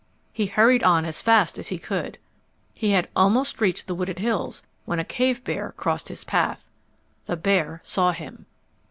He hurried on as fast as he could. He had almost reached the wooded hills when a cave bear crossed his path. The bear saw him.